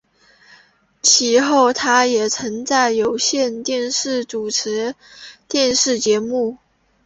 其后他也曾在有线电视主持电视节目。